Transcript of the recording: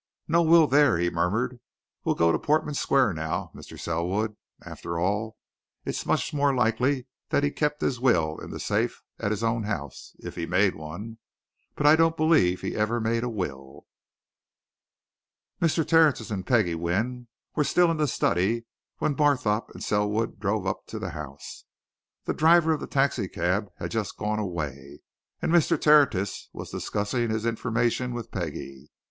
"No will there," he murmured. "We'll go on to Portman Square now, Mr. Selwood. After all, it's much more likely that he'd keep his will in the safe at his own house if he made one. But I don't believe he ever made a will." Mr. Tertius and Peggie Wynne were still in the study when Barthorpe and Selwood drove up to the house. The driver of the taxi cab had just gone away, and Mr. Tertius was discussing his information with Peggie.